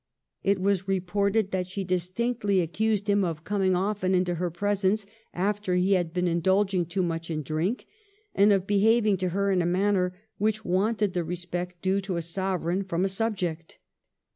It was reported that she distinctly accused him of coming often into her presence after he had been indulging too much in drink, and of behaving to her in a manner which wanted the respect due to a Sovereign from a subject.